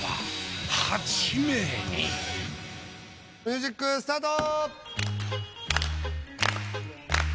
ミュージックスタート。